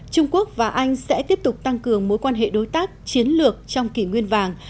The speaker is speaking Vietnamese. trung quốc và anh sẽ tiếp tục tăng cường mối quan hệ đối tác chiến lược trong kỷ nguyên vàng